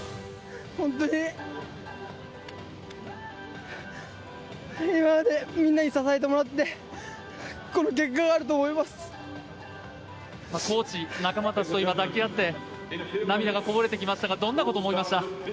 本当に今までみんなに支えてもらって、この結果があると思いコーチ、仲間たちと今、抱き合って、涙がこぼれてきましたが、どんなこと思いました？